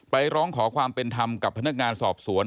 ร้องขอความเป็นธรรมกับพนักงานสอบสวน